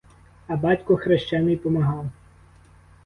А батько хрещений помагав.